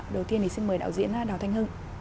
đầu tiên thì xin mời đạo diễn đào thanh hưng